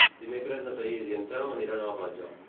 Dimecres na Thaís i en Telm aniran a la platja.